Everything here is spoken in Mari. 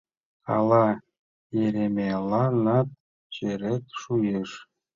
Ала Еремейланат черет шуэш?